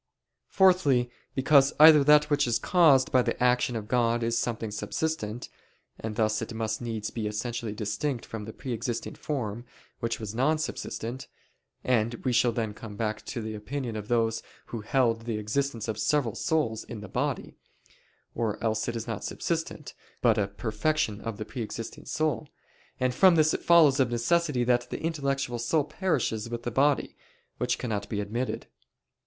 Fourthly, because either that which is caused by the action of God is something subsistent: and thus it must needs be essentially distinct from the pre existing form, which was non subsistent; and we shall then come back to the opinion of those who held the existence of several souls in the body or else it is not subsistent, but a perfection of the pre existing soul: and from this it follows of necessity that the intellectual soul perishes with the body, which cannot be admitted.